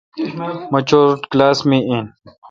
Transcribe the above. مہ چوٹ کلاس می این۔